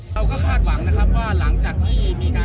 จะไม่มีผู้เด็กแว้นออกมาแว้นอีก